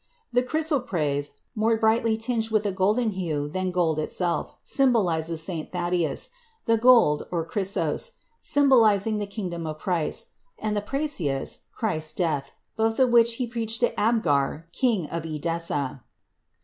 The chrysoprase, more brightly tinged with a golden hue than gold itself, symbolizes St. Thaddæus; the gold (chrysos) symbolizing the kingdom of Christ, and the prassius, Christ's death, both of which he preached to Abgar, King of Edessa.